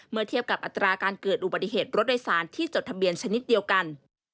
เทียบกับอัตราการเกิดอุบัติเหตุรถโดยสารที่จดทะเบียนชนิดเดียวกัน